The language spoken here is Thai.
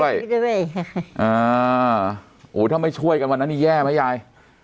โอ้ถ้าไม่ช่วยกันวันนั้นนี่แย่ไหมยาย